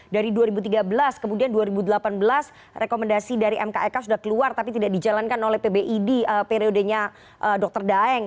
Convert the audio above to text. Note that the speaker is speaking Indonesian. dari dua ribu tiga belas kemudian dua ribu delapan belas rekomendasi dari mkek sudah keluar tapi tidak dijalankan oleh pbid periodenya dr daeng